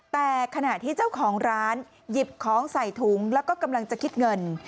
แต่ขณะที่เจ้าของร้านหยิบของใส่ถุงแล้วก็กำลังจะคิดเงิน